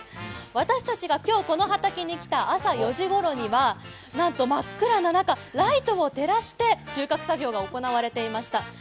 私たちが今日この畑に来た朝４時ごろには真っ暗な中、ライトを照らして収穫作業が行われていました。